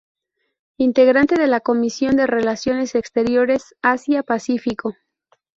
Integrante de la Comisión de Relaciones Exteriores Asia-Pacífico.